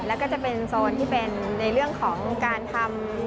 แล้วก็จะเป็นโซนที่เป็นในเรื่องของการทำ